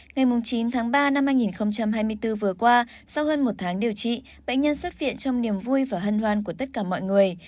ngày chín tháng ba năm hai nghìn hai mươi bốn vừa qua sau hơn một tháng điều trị bệnh nhân xuất viện trong niềm vui và hân hoan của tất cả mọi người